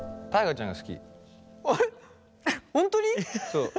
そう。